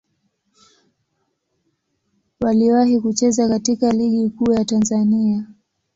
Waliwahi kucheza katika Ligi Kuu ya Tanzania.